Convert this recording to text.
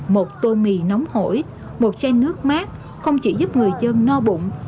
một tô mì nóng hổi một chai nước mát không chỉ giúp người dân no bụng